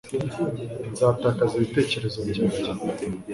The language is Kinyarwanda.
Nzatakaza ibitekerezo byanjye